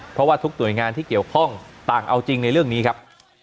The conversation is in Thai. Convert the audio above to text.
เพราะว่าทุกหน่วยงานที่เกี่ยวข้องต่างเอาจริงในเรื่องนี้ครับ